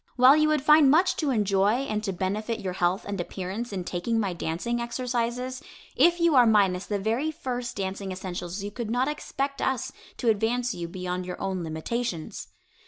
While you would find much to enjoy and to benefit your health and appearance in taking my dancing exercises, if you are minus the very first dancing essentials you could not expect us to advance you beyond your own limitations.